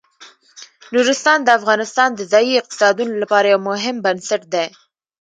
نورستان د افغانستان د ځایي اقتصادونو لپاره یو مهم بنسټ دی.